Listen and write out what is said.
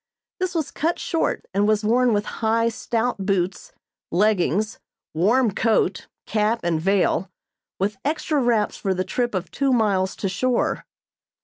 This was cut short, and was worn with high, stout boots, leggings, warm coat, cap and veil, with extra wraps for the trip of two miles to shore.